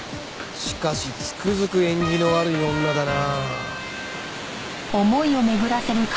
しかしつくづく縁起の悪い女だな。